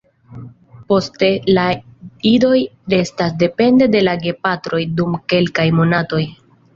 Poste la idoj restas depende de la gepatroj dum kelkaj monatoj.